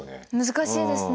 難しいですね。